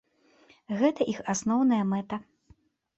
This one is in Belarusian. Гэта іх асноўная мэта.